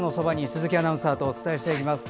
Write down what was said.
鈴木アナウンサーとお伝えしていきます。